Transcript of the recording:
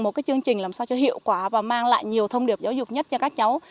một cái chương trình làm sao cho hiệu quả và mang lại nhiều thông điệp giáo dục nhất cho các cháu